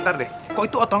kasih tau tuh dimana